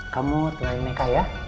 kamu tunanin mereka ya